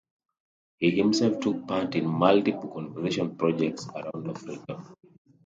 He himself took part in multiple conservation projects around Africa.